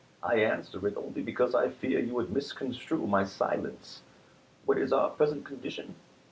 I answer it only because I fear you would misconstrue my silence. What is our present condition